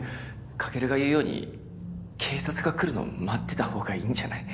翔琉が言うように警察が来るの待ってた方がいいんじゃない？